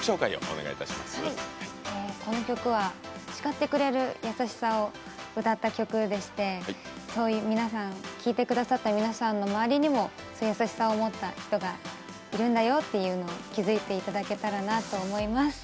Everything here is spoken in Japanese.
この曲は叱ってくれる優しさを歌った曲でしてそういう聴いてくださった皆さんの周りにも優しさを持った人がいるんだよということを気付いていただけたらなと思います。